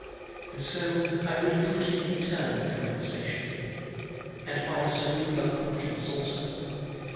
And so I would prudently turn the conversation. And by a scruple of conscience, also.